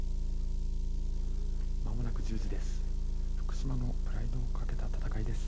まもなく１０時です。